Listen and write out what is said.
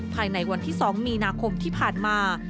ภายในวันที่๒มีนาคมที่ผ่านมา